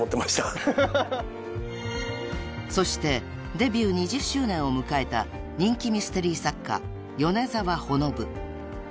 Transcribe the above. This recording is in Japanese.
［そしてデビュー２０周年を迎えた人気ミステリー作家米澤穂信］